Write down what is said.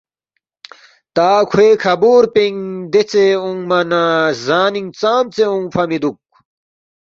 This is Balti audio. تا کھوے کھابور پِنگ دیژے اونگما نہ زانِنگ ژامژے اونگفا مِہ دُوک؟